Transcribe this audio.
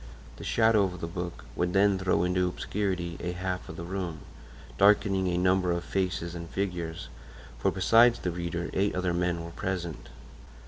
The shadow of the book would then throw into obscurity a half of the room, darkening a number of faces and figures; for besides the reader, eight other men were present.